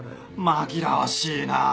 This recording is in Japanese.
紛らわしいなあ。